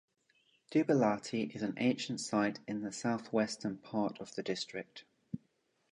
Dubalhati is an ancient site in the south-western part of the district.